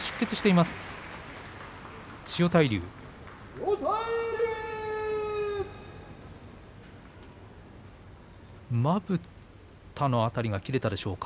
まぶたの辺りが切れたでしょうか。